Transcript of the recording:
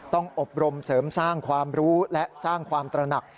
อบรมเสริมสร้างความรู้และสร้างความตระหนัก